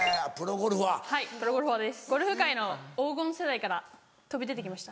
ゴルフ界の黄金世代から飛び出て来ました。